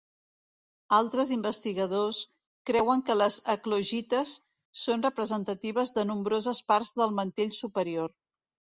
Altres investigadors creuen que les eclogites són representatives de nombroses parts del mantell superior.